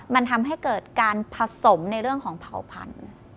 มันทำให้เกิดการผสมในเรื่องของเผาพันธุ์